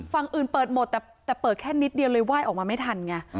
ฝั่งอื่นเปิดหมดแต่เปิดแค่นิดเดียวเลยไหว้ออกมาไม่ทันไง